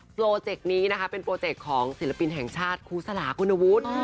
โปรเจกต์นี้นะคะเป็นโปรเจกต์ของศิลปินแห่งชาติครูสลาคุณวุฒิ